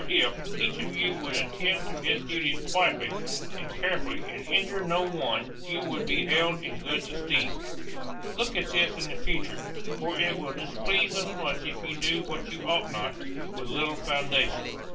188 ESTABLISHMENT OF THE INQUISITION [BOOK I each of you would attend to his duties quietly and carefully and injure no one you would be held in good esteem. Look to this in the future, for it will displease us much if you do what you ought not, with little foundation."